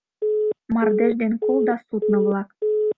Мардеж ден кол да судно-влак